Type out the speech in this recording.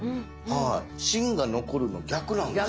はい芯が残るの逆なんですね